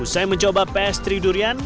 usai mencoba pastry durian